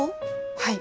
はい。